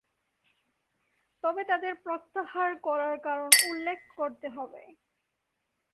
তবে তাদের প্রত্যাহার করার কারণ উল্লেখ করতে হবে।